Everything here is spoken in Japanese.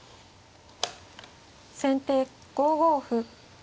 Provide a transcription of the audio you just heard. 先手５五歩。